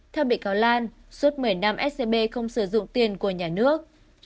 theo bị cáo lan suốt một mươi năm scb không sử dụng tiền của nhà nước